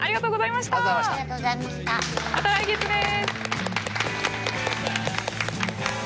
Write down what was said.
また来月です。